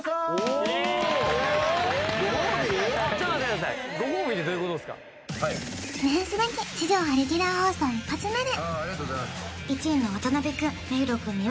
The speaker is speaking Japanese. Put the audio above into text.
ちょっと待ってくださいご褒美ってどういうことですか記念すべき地上波レギュラー放送１発目でします